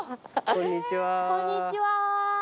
こんにちは。